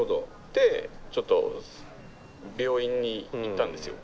でちょっと病院に行ったんですよ。